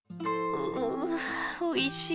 うおいしい。